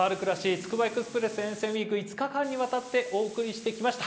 つくばエクスプレス沿線ウイーク５日間にわたってお送りしてきました。